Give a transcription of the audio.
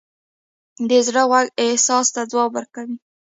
د زړه غوږ احساس ته ځواب ورکوي.